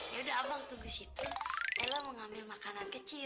yaudah abang tunggu situ elah mau ngambil makanan kecil